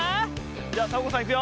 じゃあサボ子さんいくよ。